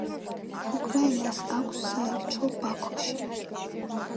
უკრაინას აქვს საელჩო ბაქოში.